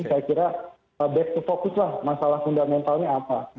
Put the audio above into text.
saya kira back to fokus lah masalah fundamentalnya apa